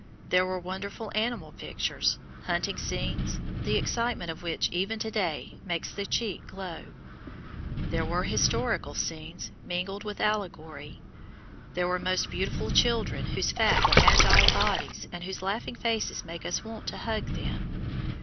There were wonderful animal pictures hunting scenes, the excitement of which even to day makes the cheek glow. There were historical scenes mingled with allegory. There were most beautiful children whose fat and agile bodies and whose laughing faces make us want to hug them.